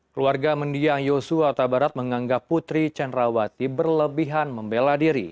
keluarga mendiang yosua tabarat menganggap putri cenrawati berlebihan membela diri